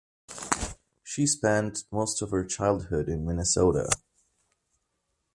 She spent most of her childhood in Minnesota.